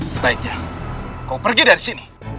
sebaiknya kau pergi dari sini